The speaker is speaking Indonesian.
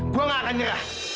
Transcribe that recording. gue gak akan nyerah